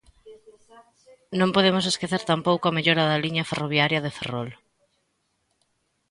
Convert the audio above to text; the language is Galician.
Non podemos esquecer tampouco a mellora da liña ferroviaria de Ferrol.